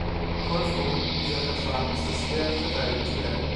Kurzum, dieser Vertrag ist es wert, verteidigt zu werden.